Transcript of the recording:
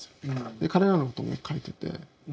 で彼らのことも描いてて。